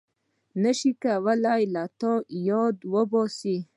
نشم کولای تا له ياده وباسم